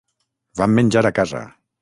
Vam menjar a casa.